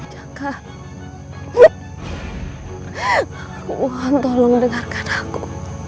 jaka aku mohon tolong dengarkan aku